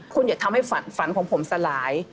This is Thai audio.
คุณอย่าทำให้ฝันของผมสลาย